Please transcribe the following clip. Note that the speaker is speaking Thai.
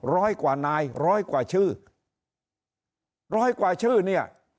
ร้อยกว่านายร้อยกว่าชื่อร้อยกว่าชื่อเนี่ย